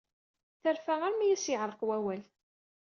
Terfa armi ay as-yeɛreq wawal.